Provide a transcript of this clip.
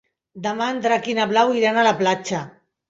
Demà en Drac i na Blau iran a la platja.